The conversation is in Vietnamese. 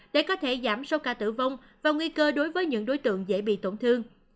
để có thể giảm số ca tử vong và nguy cơ đối với những đối tượng dễ bị tổn thương